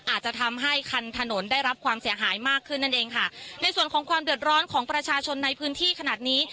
อาจจะทำให้คันถนนได้รับความเสียหายมากขึ้นนั่นเองค่ะในส่วนของความเดือดร้อนของประชาชนในพื้นที่ขนาดนี้